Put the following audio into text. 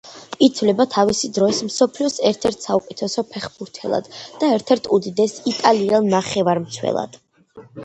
ითვლება თავისი დროის მსოფლიოს ერთ-ერთ საუკეთესო ფეხბურთელად და ერთ-ერთ უდიდეს იტალიელ ნახევარმცველად.